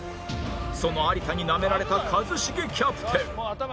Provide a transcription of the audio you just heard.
その有田になめられた一茂キャプテン